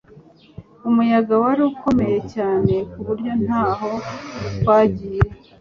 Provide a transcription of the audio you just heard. umuyaga wari ukomeye cyane kuburyo ntaho twagiye